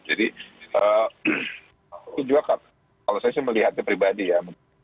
jadi itu juga kalau saya melihatnya pribadi ya